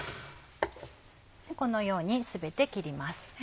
このように全て切ります。